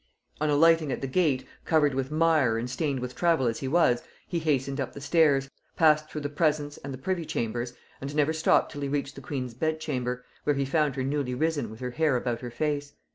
On alighting at the gate, covered with mire and stained with travel as he was, he hastened up stairs, passed through the presence and the privy chambers, and never stopped till he reached the queen's bed chamber, where he found her newly risen with her hair about her face.